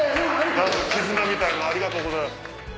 絆みたいのありがとうございます。